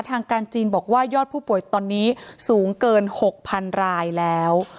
ทางการจีนบอกว่ายอดผู้ป่วยตอนนี้สูงเกิน๖๐๐๐รายแล้ว